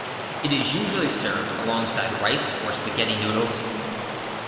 It is usually served alongside rice or spaghetti noodles.